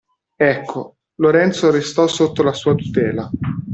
Ecco, Lorenzo restò sotto la sua tutela.